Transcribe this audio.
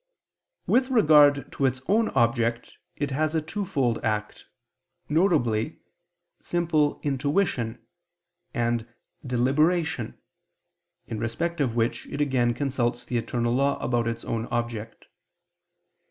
With regard to its own object it has a twofold act, viz. simple intuition, and deliberation, in respect of which it again consults the eternal law about its own object.